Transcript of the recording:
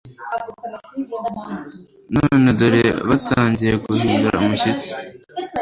none dore batangiye guhinda umushyitsi